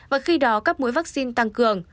và khi đó các mũi vaccine tăng cường